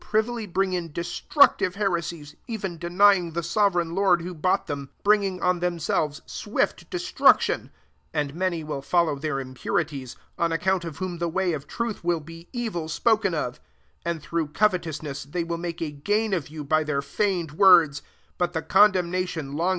Bat, if the comraoii inter who wilifirivily bring in destruc tive heresiesy even denying the sovereign Lord who bought them; bringing on themselves swift destruction, 2 (jlnd many will follow their imfiurilies ; on account of whom the way of truth will be evil sftoken qf.) 3 j^nd through covetousness they will make a gain of you by their feigned words : but the condem nation^ long si?